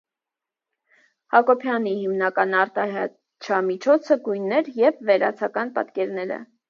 Հակոբյանի հիմնական արտահայտչամիջոցը գույնն է և վերացական պատկերները։